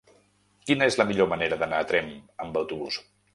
Quina és la millor manera d'anar a Tremp amb autobús?